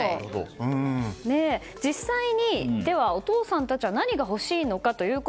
実際に、お父さんたちは何が欲しいのか。